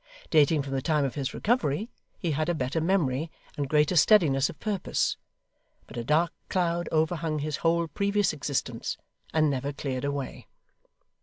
Dating from the time of his recovery, he had a better memory and greater steadiness of purpose; but a dark cloud overhung his whole previous existence, and never cleared away.